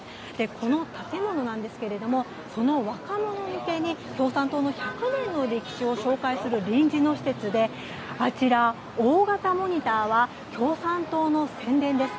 この建物ですがその若者向けに共産党の１００年の歴史を紹介する臨時の施設で大型モニターは共産党の宣伝です。